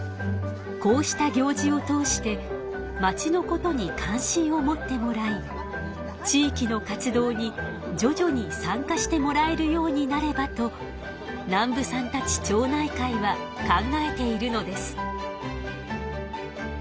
こうした行事を通してまちのことに関心を持ってもらい地域の活動にじょじょに参加してもらえるようになればと南部さんたち町内会は考えているのです。